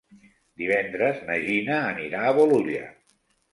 Divendres na Gina anirà a Bolulla.